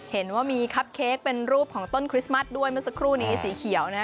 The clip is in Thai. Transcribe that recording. เห็นว่ามีคับเค้กเป็นรูปของต้นคริสต์มัสด้วยเมื่อสักครู่นี้สีเขียวนะ